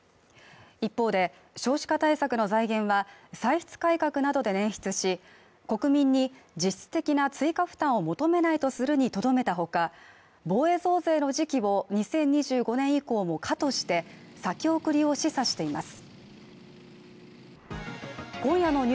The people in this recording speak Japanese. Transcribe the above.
一方で、少子化対策の財源は歳出改革などで捻出し、国民に実質的な追加負担を求めないとするにとどめた他、防衛増税の時期を２０２５年以降も可として先送りを示唆しています。